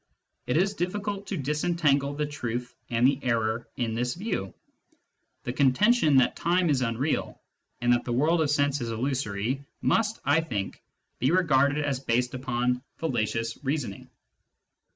It is difficult to disentangle the truth and the error in this view. The contention that time is unreal and that the world of sense is illusory must, I think, be regarded as based upon fallacious reasoning.